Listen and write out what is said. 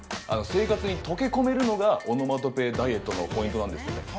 生活に溶け込めるのがオノマトペダイエットのポイントなんですよね。